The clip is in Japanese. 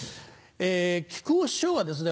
木久扇師匠はですね